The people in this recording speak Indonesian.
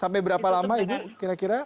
sampai berapa lama ibu kira kira